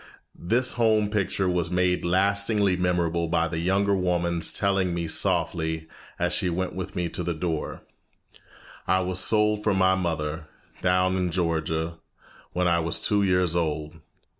This home picture was made lastingly memorable by the younger woman's telling me softly as she went with me to the door, "I was sold from my mother, down in Georgia, when I was two years old.